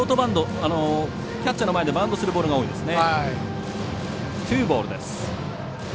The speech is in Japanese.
キャッチャーの前でバウンドするボールが多いですね。